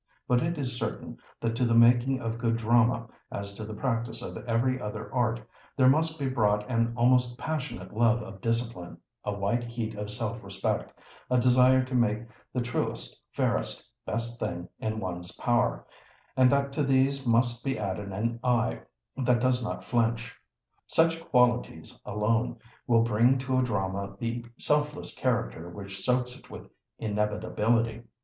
But it is certain, that to the making of good drama, as to the practice of every other art, there must be brought an almost passionate love of discipline, a white heat of self respect, a desire to make the truest, fairest, best thing in one's power; and that to these must be added an eye that does not flinch. Such qualities alone will bring to a drama the selfless character which soaks it with inevitability.